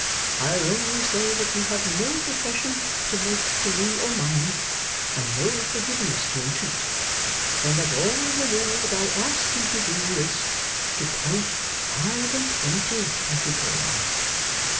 I'll only say that you have no profession to make to me or mine, and no forgiveness to entreat; and that all in the world that I ask you to do, is, to count five and twenty, Tattycoram.